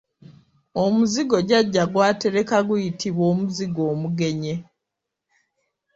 Omuzigo jjajja gw’atereka guyitibwa Omuzigo omugenye.